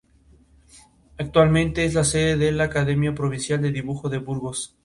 Actualmente es la sede de la Academia Provincial de Dibujo de Burgos.